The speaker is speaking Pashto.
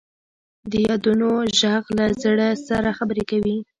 د یادونو ږغ له زړه سره خبرې کوي.